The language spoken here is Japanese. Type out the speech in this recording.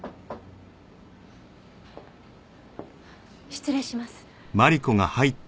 失礼します。